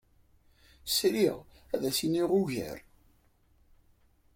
Sriɣ ad issineɣ ugar.